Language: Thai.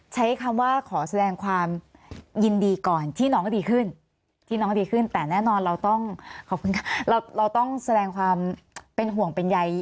ใช้คำว่าขอแสดงความยินดีก่อนที่น้องก็ดีขึ้นแต่แน่นอนเราต้องแสดงความเป็นห่วงเป็นใย